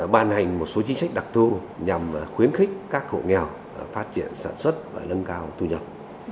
ban hành một số chính sách đặc thu nhằm khuyến khích các hộ nghèo phát triển sản xuất và lân cao thu nhập